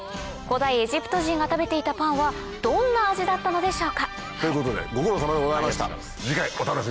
古代エジプト人が食べていたパンはどんな味だったのでしょうか？ということでご苦労さまでございました。